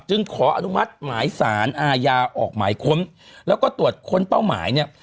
ขออนุมัติหมายสารอาญาออกหมายค้นแล้วก็ตรวจค้นเป้าหมายเนี่ย